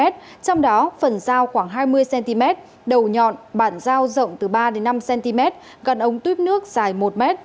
trong đó phần dao khoảng hai mươi cm đầu nhọn bản giao rộng từ ba năm cm gần ống tuyếp nước dài một m